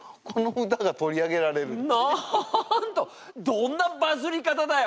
どんなバズり方だよ！